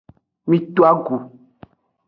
Mi to agu.